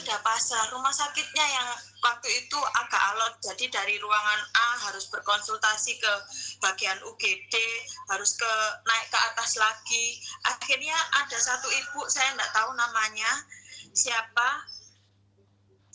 ada satu ibu saya enggak tahu namanya siapa